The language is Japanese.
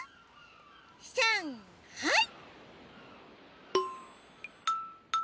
さんはい！